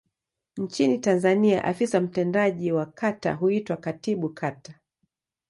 Nchini Tanzania afisa mtendaji wa kata huitwa Katibu Kata.